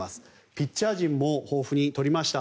ピッチャー陣も豊富に取りました。